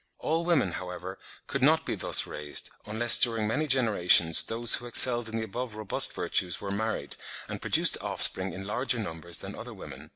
All women, however, could not be thus raised, unless during many generations those who excelled in the above robust virtues were married, and produced offspring in larger numbers than other women.